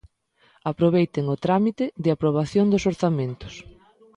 Aproveiten o trámite de aprobación dos orzamentos.